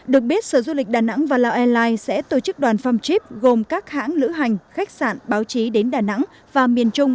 được biết sở du lịch đà nẵng và lào airlines sẽ tổ chức đoàn phong chip gồm các hãng lữ hành khách sạn báo chí đến đà nẵng và miền trung